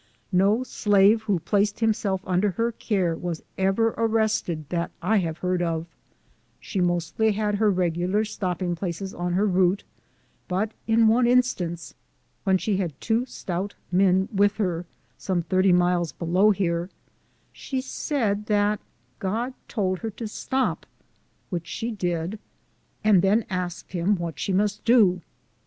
No slave who placed himself under her care, was ever arrested that I have heard of; she mostly had her regular stopping places on her route ; but in one instance, when she had two stout men with her, some 30 miles below here, she said that God told her to stop, which she did ; and then asked him what she must do.